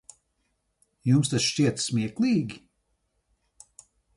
Jums tas šķiet smieklīgi?